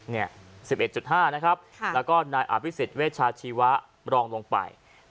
แล้วก็นายอภิษฎิเวชาชีวะรองลงไป